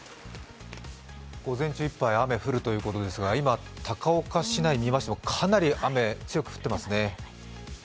午前中いっぱい雨が降るということですが今、高岡市内を見ましてもかなり雨、強く降ってますね。